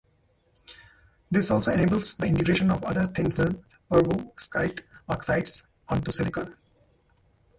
This also enables the integration of other thin film perovskite oxides onto silicon.